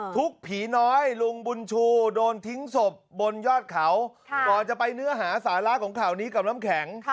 ผีน้อยลุงบุญชูโดนทิ้งศพบนยอดเขาก่อนจะไปเนื้อหาสาระของข่าวนี้กับน้ำแข็ง